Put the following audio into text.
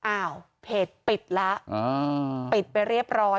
อ้าวเพจปิดแล้วปิดไปเรียบร้อย